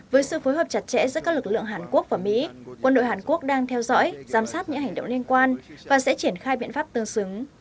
với sự phối hợp chặt chẽ giữa các lực lượng hàn quốc và mỹ quân đội hàn quốc đang theo dõi giám sát những hành động liên quan và sẽ triển khai biện pháp tương xứng